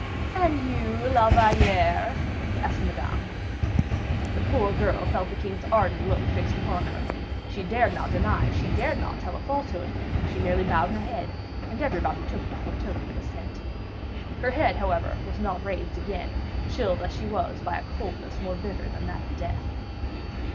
"And you, La Valliere?" asked Madame. The poor girl felt the king's ardent look fixed upon her, she dared not deny she dared not tell a falsehood; she merely bowed her head; and everybody took it for a token of assent. Her head, however, was not raised again, chilled as she was by a coldness more bitter than that of death.